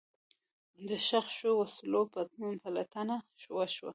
د ښخ شوو وسلو پلټنه وشوه.